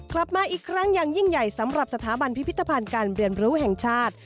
กลับมาอีกครั้งอย่างยิ่งใหญ่สำหรับสถาบันพิพิธภัณฑ์การเรียนรู้แห่งชาติ